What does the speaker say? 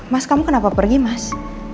mas kamu kenapa pergi mas